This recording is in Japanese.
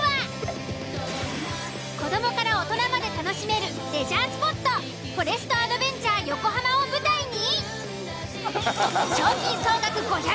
子供から大人まで楽しめるレジャースポットフォレストアドベンチャー・よこはまを舞台に。